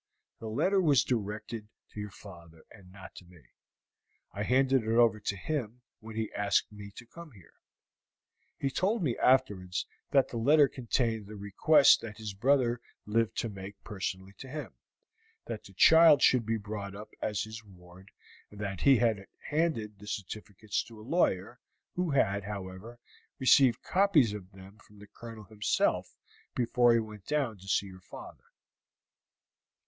The letter was directed to your father, and not to me. I handed it over to him when he asked me to come here. He told me afterwards that the letter contained the request that his brother lived to make personally to him that the child should be brought up as his ward; and that he had handed the certificates to a lawyer, who had, however, received copies of them from the Colonel himself before he went down to see your father.